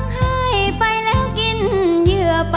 ใจหายมั้ง